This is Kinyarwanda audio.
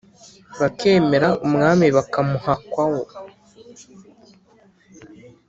bakemera umwami bakamuhakwaho